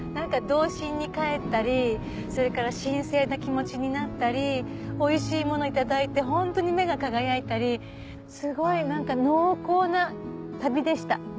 童心に帰ったりそれから神聖な気持ちになったりおいしいものいただいてホントに目が輝いたりすごい濃厚な旅でした。